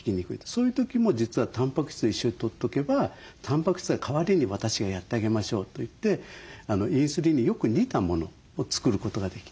そういう時も実はタンパク質を一緒にとっとけばタンパク質が代わりに私がやってあげましょうといってインスリンによく似たものを作ることができてですね